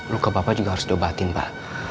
ruka bapa juga harus dibawahkan pak